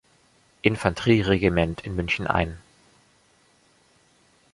Infanterieregiment in München ein.